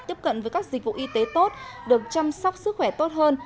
tiếp cận với các dịch vụ y tế tốt được chăm sóc sức khỏe tốt hơn